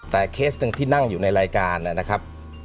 แต่เคสหนึ่งที่นั่งอยู่ในรายการนะครับ